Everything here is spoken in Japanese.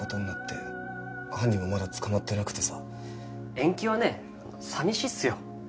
延期はね寂しいっすよ。